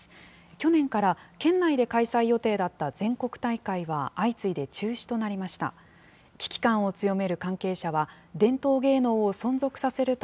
去年から県内で開催予定だった全国大会は相次いで中止となりました。